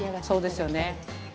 そうですよね。